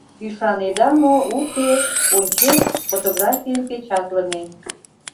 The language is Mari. Ӱшанеда мо, уке, ончем — фотографийым печатлыме